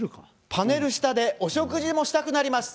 パネル下でお食事もしたくなります。